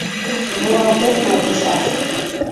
Муралтен колтышаш!..